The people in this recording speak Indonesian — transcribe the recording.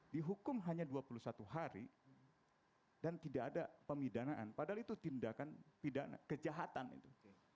dihukum hanya dua puluh satu hari dan tidak ada pemidanaan padahal itu tindakan kejahatan itu